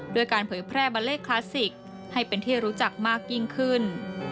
ด้วยการเผยแพร่บาลเลขคลาสสิกให้เป็นที่รู้จักมากยิ่งขึ้น